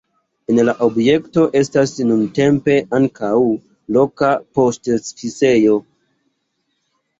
En la objekto estas nuntempe ankaŭ loka poŝtoficejo.